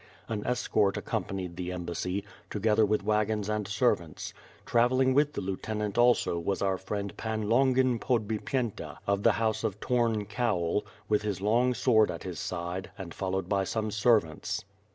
An escort accompanied the embassy, together with wagons and servants; travelling with the Lieutenant also was our friend Pan Longin Podbip yenta, of the House of Torn Cowl, with his long sword at his side, and followed by some sen^ants.